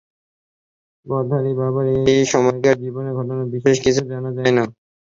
পওহারী বাবার এই সময়কার জীবনের ঘটনা বিশেষ কিছু জানা যায় না।